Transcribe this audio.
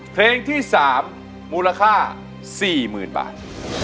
เพลงที่สามมูลค่าสี่หมื่นบาท